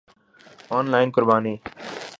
on line قربانی